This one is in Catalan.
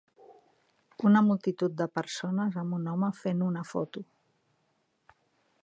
Una multitud de persones amb un home fent una foto.